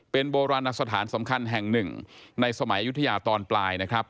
เป็นโบราณสถานสำคัญแห่งหนึ่งในสมัยยุธยาตอนปลายนะครับ